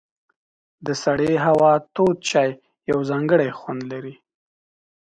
د سړې هوا تود چای یو ځانګړی خوند لري.